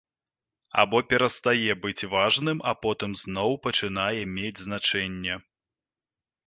Або перастае быць важным, а потым зноў пачынае мець значэнне.